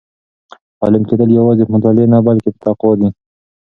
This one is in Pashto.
عالم کېدل یوازې په مطالعې نه بلکې په تقوا دي.